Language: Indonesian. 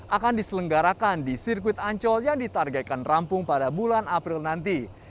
akan diselenggarakan di sirkuit ancol yang ditargetkan rampung pada bulan april nanti